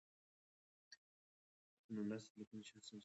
دا د پښتو ژبه ده.